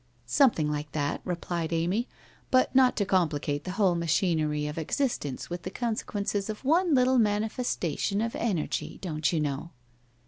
' Something like that,' replied Amy. ' But not to com plicate the whole machinery of existence with the con sequences of one little manifestation of energy, don't you know